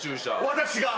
私が？